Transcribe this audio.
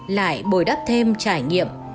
lại bồi đắp thêm trải nghiệm